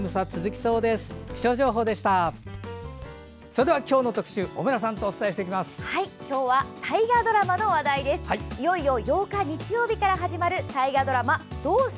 それでは、今日の特集小村さんとお伝えします。